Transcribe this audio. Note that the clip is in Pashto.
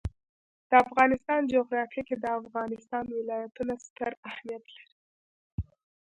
د افغانستان جغرافیه کې د افغانستان ولايتونه ستر اهمیت لري.